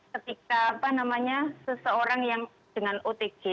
ketika apa namanya seseorang yang dengan otg